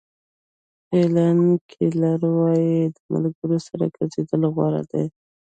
هیلن کیلر وایي د ملګري سره ګرځېدل غوره دي.